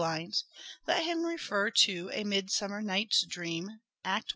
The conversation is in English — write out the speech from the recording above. lines let him refer to " A Midsummer Night's Dream " (I.